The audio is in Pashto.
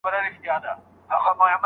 شاګرد خپل مخالفت په ډېر درنښت څرګند کړ.